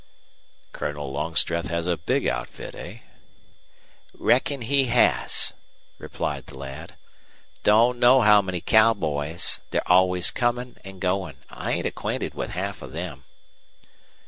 "Colonel Longstreth has a big outfit, eh?" "Reckon he has," replied the lad. "Doan know how many cowboys. They're always comin' and goin'. I ain't acquainted with half of them."